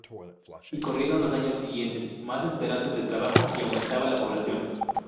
Y corrieron los años siguientes, más esperanzas de trabajo y aumentaba la población.